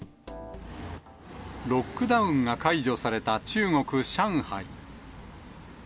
ロックダウンが解除された、中国・上海。